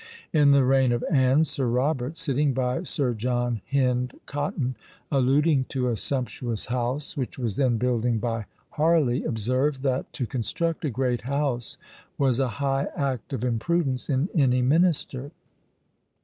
In the reign of Anne, Sir Robert, sitting by Sir John Hynde Cotton, alluding to a sumptuous house which was then building by Harley, observed, that to construct a great house was a high act of imprudence in any minister!